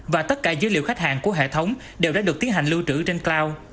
và tất cả dữ liệu khách hàng của hệ thống đều đã được tiến hành lưu trữ trên cloud